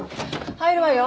入るわよ。